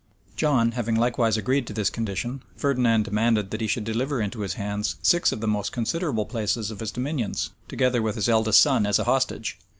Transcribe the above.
John having likewise agreed to this condition, Ferdinand demanded that he should deliver into his hands six of the most considerable places of his dominions, together with his eldest son as a hostage.